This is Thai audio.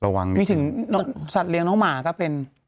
เมาวางเตียงมีถึงสัตว์เรียงน้องหมาก็เป็น